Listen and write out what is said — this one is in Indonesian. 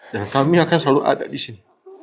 dan kami akan selalu ada disini